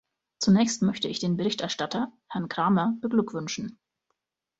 Zunächst möchte ich den Berichterstatter, Herrn Krahmer, beglückwünschen.